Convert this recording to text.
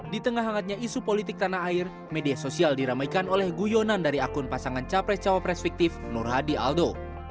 di tengah hangatnya isu politik tanah air media sosial diramaikan oleh guyonan dari akun pasangan capres cawapres fiktif nur hadi aldo